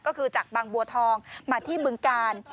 ก็คือจากบางบัวทองมาที่บึงกาล